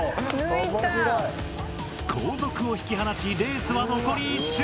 後続を引き離しレースは残り１周。